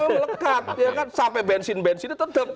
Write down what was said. melekat ya kan sampai bensin bensinnya tetap